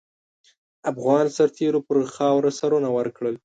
افغان سرتېرو پر خاوره سرونه ورکړل.